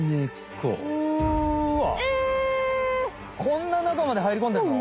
こんな中まで入りこんでんの？